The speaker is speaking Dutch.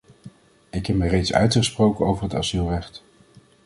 Ik heb me reeds uitgesproken over het asielrecht.